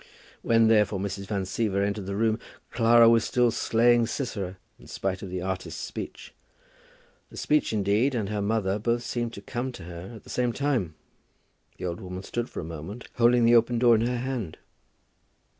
When, therefore, Mrs. Van Siever entered the room Clara was still slaying Sisera, in spite of the artist's speech. The speech, indeed, and her mother both seemed to come to her at the same time. The old woman stood for a moment holding the open door in her hand.